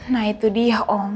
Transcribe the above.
nah itu dia om